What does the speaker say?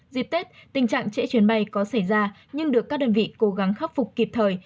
dịp tết tình trạng trễ chuyến bay có xảy ra nhưng được các đơn vị cố gắng khắc phục kịp thời